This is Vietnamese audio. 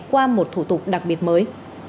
qua một thủ tục đặc biệt mới